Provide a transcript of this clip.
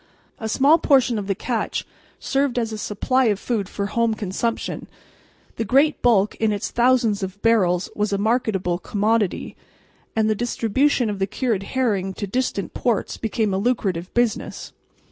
A small portion of the catch served as a supply of food for home consumption, the great bulk in its thousands of barrels was a marketable commodity, and the distribution of the cured herring to distant ports became a lucrative business.